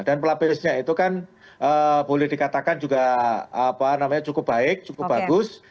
dan pelaburusnya itu kan boleh dikatakan juga cukup baik cukup bagus